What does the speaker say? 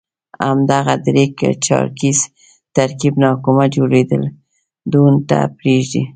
همدغه درې چارکیز ترکیب نه حکومت جوړېدو ته پرېږدي.